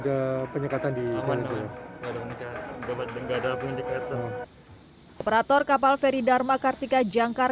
ada penyekatan di mana mana nggak ada penyekatan operator kapal ferry dharma kartika jangkar